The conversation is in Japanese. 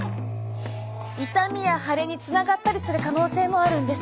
痛みや腫れにつながったりする可能性もあるんです。